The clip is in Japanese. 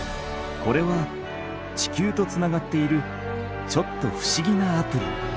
これは地球とつながっているちょっとふしぎなアプリ。